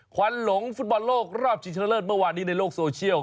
ขวัญหลงฟุตบอลโลกรอบชิงชะเลิศเมื่อวานนี้ในโลกโซเชียล